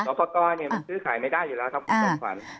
สอปกรณ์เนี่ยมันซื้อขายไม่ได้อยู่แล้วครับคุณสมควร